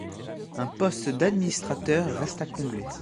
Un poste d’administrateur reste à combler.